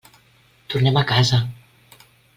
Tornem a casa.